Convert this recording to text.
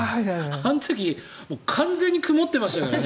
あの時完全に曇っていましたからね。